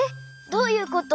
どういうこと？